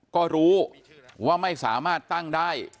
ก็รู้ว่าไม่สามารถตั้งได้